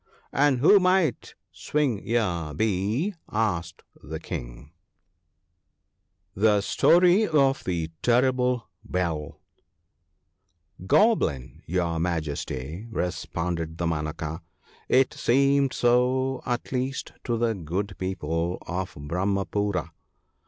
' And who might Swing ear be ?' asked the King. <@%t j^torp of tlje &tttMt USeflL GOBLIN, your Majesty,' responded Dama naka, ' it seemed so, at least, to the good people of Brahmapoora.